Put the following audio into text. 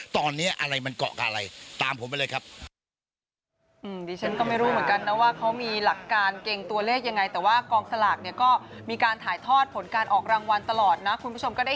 ติดตามทางไทยรัตน์ทีวีได้นะฮะ